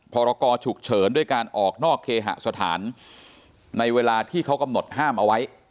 พรกรฉุกเฉินด้วยการออกนอกเคหสถานในเวลาที่เขากำหนดห้ามเอาไว้